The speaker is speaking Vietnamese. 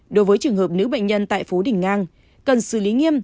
đối với trường hợp nữ bệnh nhân tại phú đình ngang cần xử lý nghiêm